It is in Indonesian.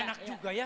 enak juga ya